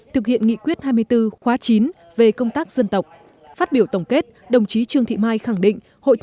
thực hiện nghị quyết hai mươi bốn khóa chín về công tác dân tộc phát biểu tổng kết đồng chí trương thị mai khẳng định